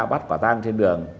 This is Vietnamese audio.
bắt quả tang trên đường